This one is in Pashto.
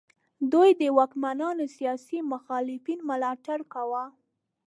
دوی د واکمنانو سیاسي مخالفینو ملاتړ کاوه.